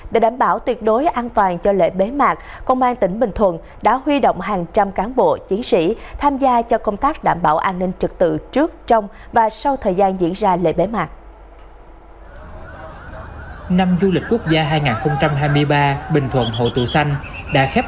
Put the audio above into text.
để đảm bảo tuyệt đối an toàn cho lễ bế mạc công an tỉnh bình thuận đã huy động hàng trăm cán bộ chiến sĩ tham gia cho công tác đảm bảo an ninh trực tự trước trong và sau thời gian diễn ra lễ bế mạc